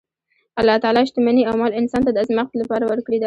الله تعالی شتمني او مال انسان ته د ازمایښت لپاره ورکړې ده.